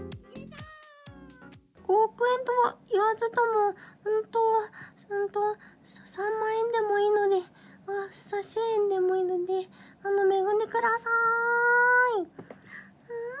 ５億円とは言わずとも、本当は、本当は、３万円でもいいので、１０００円でもいいので、恵んでくださーい。